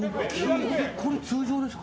これ、通常ですか？